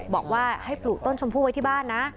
บอกว่าให้ปลูกต้นชมพู่ไว้ที่บ้านนะ